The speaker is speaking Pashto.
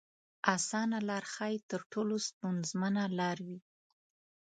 اسانه لار ښايي تر ټولو ستونزمنه لار وي.